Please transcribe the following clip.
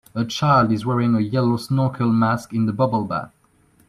A child is wearing a yellow snorkel mask in a bubble bath